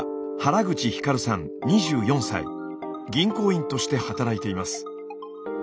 こちら銀行員として働いています。